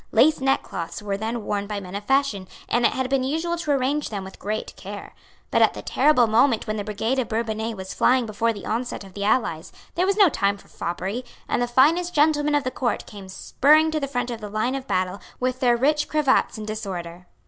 Lace neckcloths were then worn by men of fashion; and it had been usual to arrange them with great care. But at the terrible moment when the brigade of Bourbonnais was flying before the onset of the allies, there was no time for foppery; and the finest gentlemen of the Court came spurring to the front of the line of battle with their rich cravats in disorder.